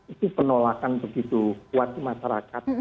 itu penolakan begitu kuat di masyarakat